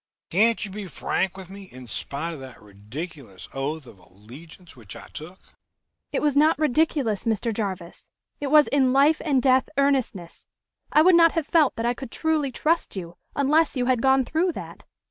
Can't you be frank with me, in spite of that ridiculous oath of allegiance which I took?" "It was not ridiculous, Mr. Jarvis. It was in life and death earnestness. I would not have felt that I could truly trust you unless you had gone through that.